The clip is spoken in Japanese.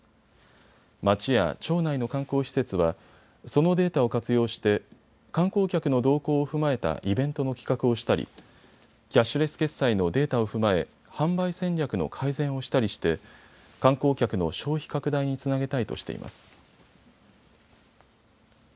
町や町内の観光施設はそのデータを活用して観光客の動向を踏まえたイベントの企画をしたりキャッシュレス決済のデータを踏まえ販売戦略の改善をしたりして観光客の消費拡大につなげたいとしています。